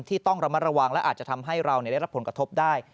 ต้องระมัดระวังและอาจจะทำให้เราได้รับผลกระทบได้